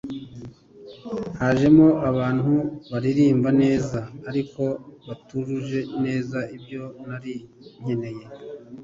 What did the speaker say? hajemo abantu baririmba neza ariko batujuje neza ibyo nari nkeneye